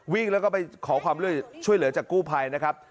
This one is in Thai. วิ่งแล้วก็ไปขอความช่วยเหลือจากกู้ภัยนะครับ